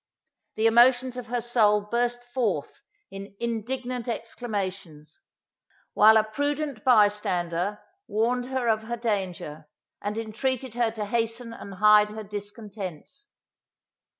The emotions of her soul burst forth in indignant exclamations, while a prudent bystander warned her of her danger, and intreated her to hasten and hide her discontents.